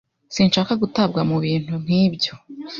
Sinshaka gutabwa mubintu nkibyo.